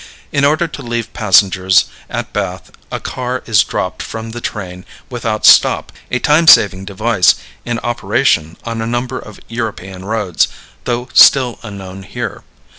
In order to leave passengers at Bath a car is dropped from the train without stop, a time saving device in operation on a number of European roads, though still unknown here.